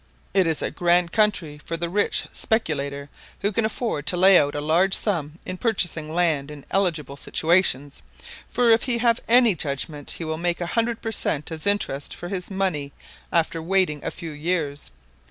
It is a grand country for the rich speculator, who can afford to lay out a large sum in purchasing land in eligible situations; for if he have any judgment, he will make a hundred per cent as interest for his money after waiting a few years.